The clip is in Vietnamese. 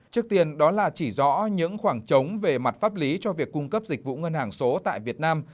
trước tiên đó là chỉ rõ những khoảng trống về mặt pháp lý cho việc cung cấp dịch vụ ngân hàng số tại việt nam